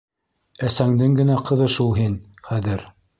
- Әсәңдең генә ҡыҙы шул һин хәҙер...